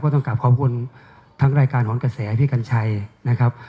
ต้องกลับขอบคุณทั้งรายการหอนกระแสพี่กัญชัยนะครับ